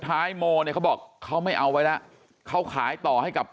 โมเนี่ยเขาบอกเขาไม่เอาไว้แล้วเขาขายต่อให้กับ